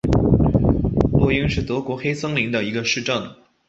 洛因是德国黑森州的一个市镇。